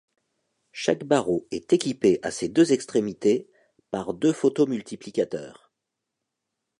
Chaque barreau est équipé à ses deux extrémités par deux photomultiplicateurs.